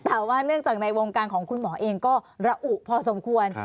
แต่ว่าเนื่องจากในวงการของคุณหมอเองก็ระอุพอสมควร